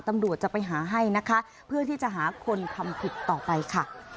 ตำรวจจะไปหาให้นะคะเพื่อที่จะหาคนทำผิดต่อไปค่ะ